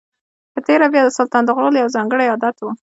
په تېره بیا د سلطان طغرل یو ځانګړی عادت و.